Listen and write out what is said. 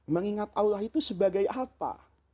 mengingat allah itu sebagai apa